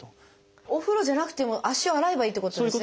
お風呂じゃなくても足を洗えばいいってことですね